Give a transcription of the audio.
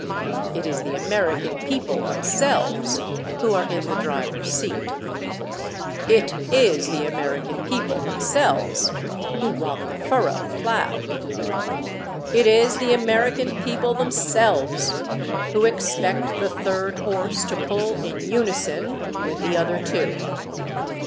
It is the American people themselves who are in the driver's seat. It is the American people themselves who want the furrow plowed. It is the American people themselves who expect the third horse to pull in unison with the other two.